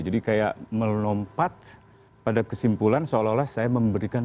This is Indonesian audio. jadi kayak melompat pada kesimpulan seolah olah saya memberikan